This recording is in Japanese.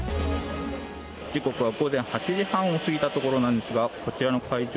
時刻は午前８時半を過ぎたところなんですがこちらの会場